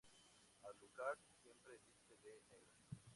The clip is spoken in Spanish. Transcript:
Alucard siempre viste de negro.